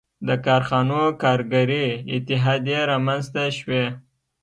• د کارخانو کارګري اتحادیې رامنځته شوې.